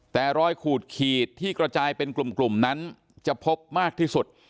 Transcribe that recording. แต่รอยขูดขีดที่กระจายเป็นกลุ่มนั้นจะพบมากที่สุด